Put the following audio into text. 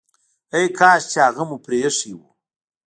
ای کاش چي هغه مو پريښی وو!